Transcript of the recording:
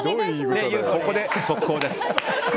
ここで速報です。